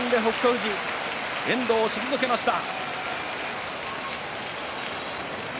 富士遠藤を退けました。